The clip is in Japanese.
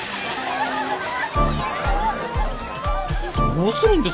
・どうするんです？